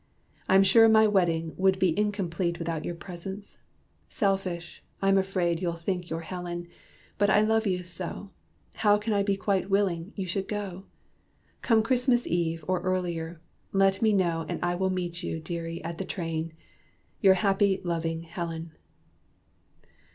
I'm sure my wedding would be incomplete Without your presence. Selfish, I'm afraid You'll think your Helen. But I love you so, How can I be quite willing you should go? Come Christmas Eve, or earlier. Let me know And I will meet you, dearie! at the train. Your happy, loving Helen."